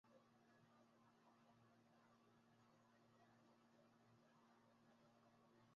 Ye muli yali yeewunya buntu bulamu bwa muwala oyo.